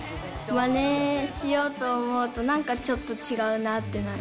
まねしようと思うと、なんかちょっと違うなってなる。